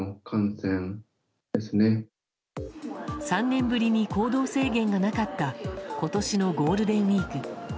３年ぶりに行動制限がなかった今年のゴールデンウィーク。